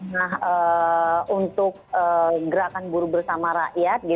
nah untuk gerakan buruh bersama rakyat